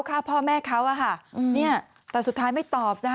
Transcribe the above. ข้าพ่อแม่เขาแต่สุดท้ายไม่ตอบ